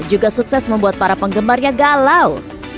juga sukses membuat para penggemarnya galau